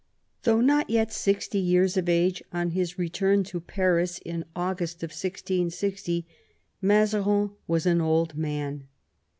Though not yet sixty years of age, on his return to Paris in August 1660 Mazarin was an old man.